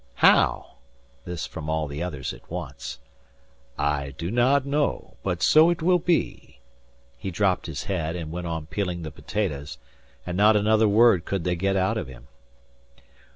"Haow?" This from all the others at once. "I do not know, but so it will be." He dropped his head, and went on peeling the potatoes, and not another word could they get out of him.